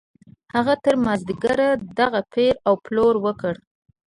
هغه تر مازديګره دغه پېر او پلور وکړ.